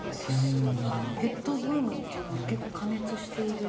ペットブームっていうのは結構過熱している？